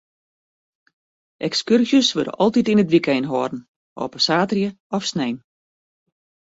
Ekskurzjes wurde altyd yn it wykein holden, op in saterdei of snein.